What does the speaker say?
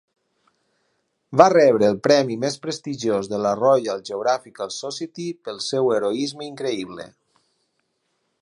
Va rebre el premi més prestigiós de la Royal Geographical Society pel seu heroisme increïble.